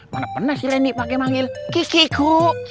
mana pernah si reni pake manggil kikiku